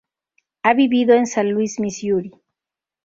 Ha vivido en San Luis, Misuri.